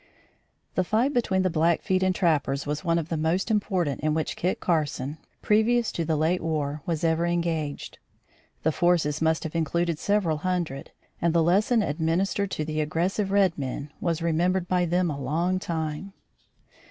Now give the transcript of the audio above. The fight between the Blackfeet and trappers was one of the most important in which Kit Carson, previous to the late war, was ever engaged. The forces must have included several hundred, and the lesson administered to the aggressive red men was remembered by them a long time.